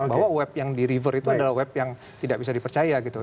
bahwa web yang di refer itu adalah web yang tidak bisa dipercaya gitu